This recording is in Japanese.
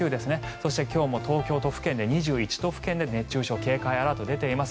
そして、今日も東京都府県で２１都府県で熱中症警戒アラートが出ています。